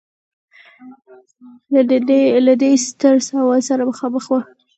له دې ستر سوال سره مخامخ و.